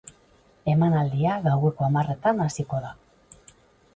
Emanaldia gaueko hamarretan hasiko da.